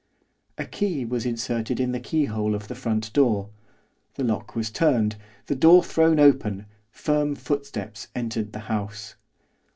A key was inserted in the keyhole of the front door, the lock was turned, the door thrown open, firm footsteps entered the house.